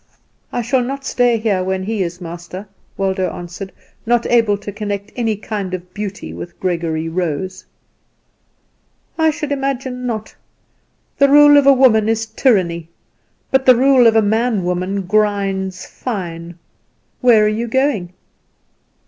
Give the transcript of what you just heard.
"I shall not stay here when he is master," Waldo answered, not able to connect any kind of beauty with Gregory Rose. "I should imagine not. The rule of a woman is tyranny; but the rule of a man woman grinds fine. Where are you going?"